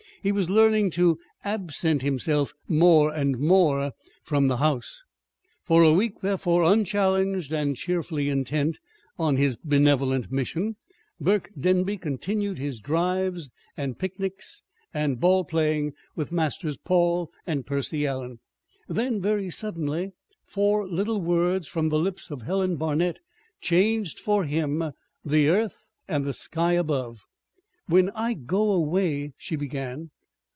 He was learning to absent himself more and more from the house. For a week, therefore, unchallenged, and cheerfully intent on his benevolent mission, Burke Denby continued his drives and picnics and ball playing with Masters Paul and Percy Allen; then, very suddenly, four little words from the lips of Helen Barnet changed for him the earth and the sky above. "When I go away " she began.